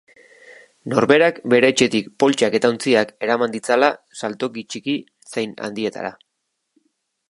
Norberak bere etxetik poltsak eta ontziak eraman ditzala, saltoki txiki zein handietara.